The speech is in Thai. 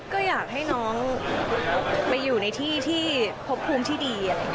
ก็อยากให้น้องไปอยู่ในที่ที่พบภูมิที่ดี